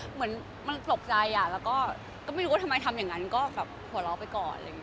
เหมือนมันตกใจแล้วก็ไม่รู้ว่าทำไมทำอย่างนั้นก็แบบหัวเราะไปก่อนอะไรอย่างนี้